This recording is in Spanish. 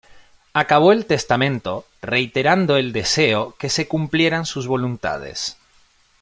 Acabó el testamento reiterando el deseo que se cumplieran sus voluntades.